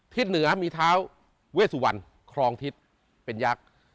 ทิศเหนือมีเท้าเวซุวรรค์ครองทิศเป็นยาก